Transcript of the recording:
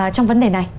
trong vấn đề này